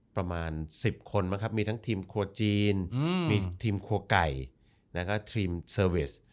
ประมาณ๑๐คนมีทั้งทีมครัวจีนทีมครัวไก่และทีมเซอร์วิส